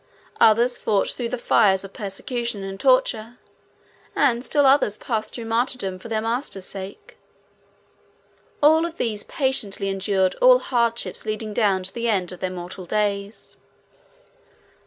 Others fought through the fires of persecution and torture, and still others passed through martyrdom for their Master's sake. All of these patiently endured all hardships leading down to the end of their mortal days.